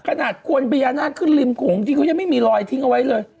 ขนาดคนพญานาคขึ้นริมโขงจริงเขายังไม่มีรอยทิ้งเอาไว้เลย